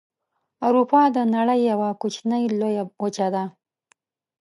اروپا د نړۍ یوه کوچنۍ لویه وچه ده.